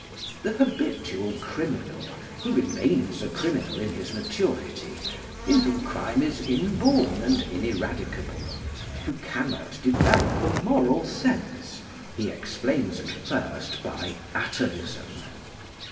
The habitual criminal, who remains a criminal in his maturity, in whom crime is inborn and ineradicable, who cannot develop a moral sense, he explains at first by atavism.